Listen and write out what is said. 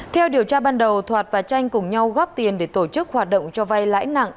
theo điều tra ban đầu thoạt và tranh cùng nhau góp tiền để tổ chức hoạt động cho vay lãi nặng